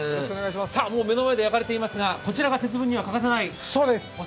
目の前で焼かれていますが、こちらが節分には欠かせないお魚。